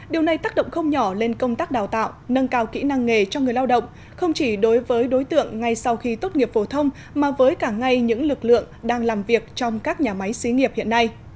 điều này tác động không nhỏ lên công tác đào tạo nâng cao kỹ năng nghề cho người lao động không chỉ đối với đối tượng ngay sau khi tốt nghiệp phổ thông mà với cả ngay những lực lượng đang làm việc trong các nhà máy xí nghiệp hiện nay